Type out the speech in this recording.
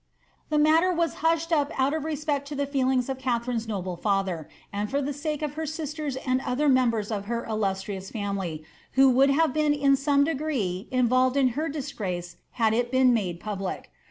"* The matter was hushed up out of respect to the feelings of Katha* line's noble &ther, and for the sake of her sisters and other members of her illustrious family, who would have been in some degree involved in her disgrace had it been made public.